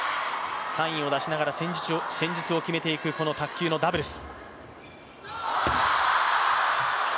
サインを出しながら、戦術を決めていくこの卓球のダブルス。